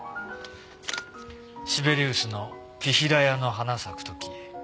シベリウスの『ピヒラヤの花咲く時』。